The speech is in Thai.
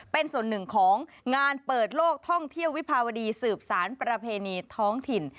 เป็นส่วนหนึ่งของงานเปิดโลกท่องเที่ยววิภาวดีสืบสารประเพณีท้องถิ่น